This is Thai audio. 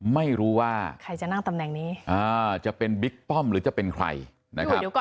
ไม่รู้ว่าใครจะนั่งตำแหน่งนี้จะเป็นบิ๊กป้อมหรือจะเป็นใครนะครับ